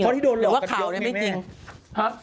เพราะที่โดนหลอกกับพี่ยอมแม่หรือว่าข่าวนี่ไม่จริง